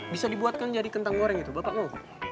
bisa dibuatkan jadi kentang goreng itu bapak oh